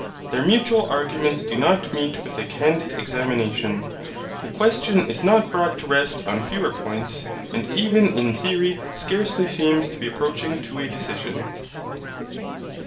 Their mutual arguments do not meet with a candid examination. The question is not brought to rest on fewer points, and even in theory scarcely seems to be approaching to a decision.